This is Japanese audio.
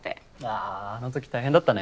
ああのとき大変だったね。